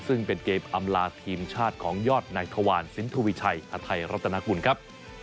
ซึ่งเป็นเกมอำลาทีมชาติของยอดนายทวารสินทวิชัยอไทยรัฐนากุลครับ